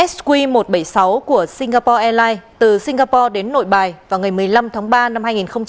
sq một trăm bảy mươi sáu của singapore airlines từ singapore đến nội bài vào ngày một mươi năm tháng ba năm hai nghìn hai mươi